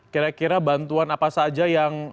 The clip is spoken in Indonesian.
kira kira bantuan apa saja yang